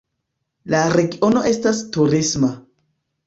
La regiono estas turisma.